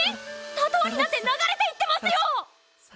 砂糖になって流れていってますよ！